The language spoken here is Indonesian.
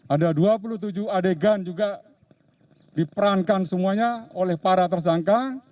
ada dua puluh tujuh adegan juga diperankan semuanya oleh para tersangka